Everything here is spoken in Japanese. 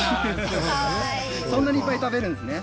そんなにいっぱい食べるんですね。